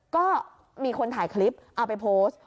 ก็มีคนถ่ายคลิปเอาไปโพสต์